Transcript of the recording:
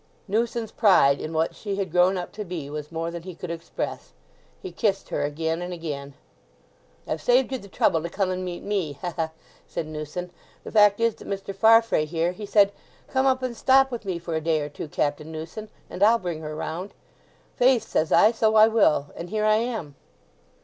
Newson's pride in what she had grown up to be was more than he could express. He kissed her again and again. "I've saved you the trouble to come and meet me—ha ha!" said Newson. "The fact is that Mr. Farfrae here, he said, 'Come up and stop with me for a day or two, Captain Newson, and I'll bring her round.' 'Faith,' says I, 'so I will'; and here I am."